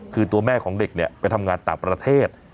คือตัวแม่ของเด็กเนี่ยไปทำงานต่างประเทศ